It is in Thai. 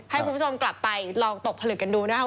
ให้คุณผู้ชมกลับไปลองตกผลึกกันดูนะครับ